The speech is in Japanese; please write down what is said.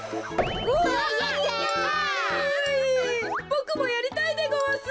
ボクもやりたいでごわす。